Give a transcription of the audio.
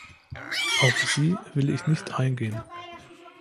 Auf sie will ich nicht eingehen.